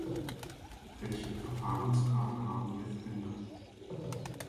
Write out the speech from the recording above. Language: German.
Welche Verfahrensfragen haben wir verändert?